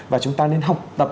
và chúng ta nên học tập